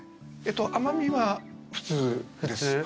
甘味は普通です。